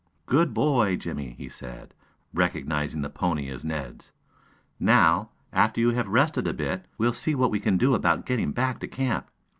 "Good boy, Jimmie," he said, recognizing the pony as Ned's. "Now, after you have rested a bit we'll see what we can do about getting back to camp.